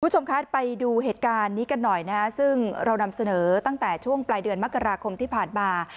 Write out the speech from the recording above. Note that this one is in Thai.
คุณผู้ชมคะไปดูเหตุการณ์นี้กันหน่อยนะฮะซึ่งเรานำเสนอตั้งแต่ช่วงปลายเดือนมกราคมที่ผ่านมา